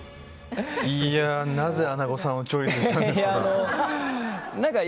なぜアナゴさんをチョイスしたんでしょうか。